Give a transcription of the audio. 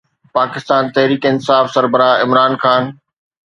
پاڪستان تحريڪ انصاف سربراهه عمران خان